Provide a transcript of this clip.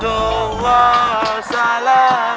sholat allah salam allah ala toha